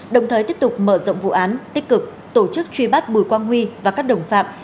đồng thời tiếp tục mở rộng vụ án tích cực tổ chức truy bắt bùi quang huy và các đồng phạm